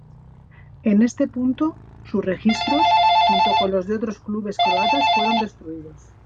En este punto, sus registros, junto con los de otros clubes croatas, fueron destruidos.